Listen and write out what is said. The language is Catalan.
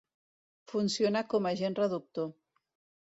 Funciona com agent reductor.